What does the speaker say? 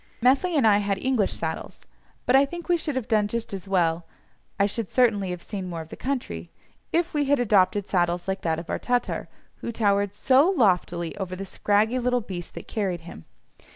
Methley and I had English saddles, but I think we should have done just as well (I should certainly have seen more of the country) if we had adopted saddles like that of our Tatar, who towered so loftily over the scraggy little beast that carried him.